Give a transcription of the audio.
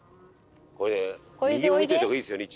これ右も見ておいた方がいいですよね